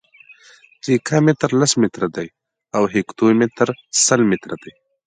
دیکا متر لس متره دی او هکتو متر سل متره دی.